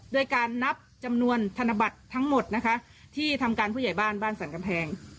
โดยการนับจำนวนธนบัตรทั้งหมดนะคะที่ทำการผู้ใหญ่บ้านบ้านสรรกำแพง